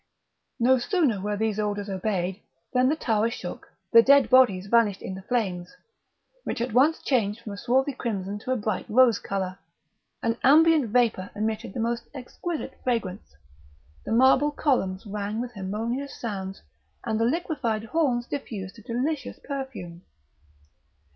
No sooner were these orders obeyed than the tower shook, the dead bodies vanished in the flames, which at once changed from a swarthy crimson to a bright rose colour; an ambient vapour emitted the most exquisite fragrance, the marble columns rang with harmonious sounds, and the liquefied horns diffused a delicious perfume.